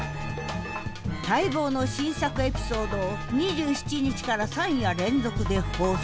待望の新作エピソードを２７日から３夜連続で放送。